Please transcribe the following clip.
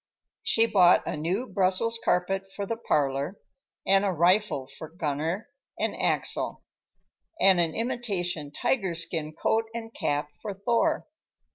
She bought a new Brussels carpet for the parlor, and a rifle for Gunner and Axel, and an imitation tiger skin coat and cap for Thor.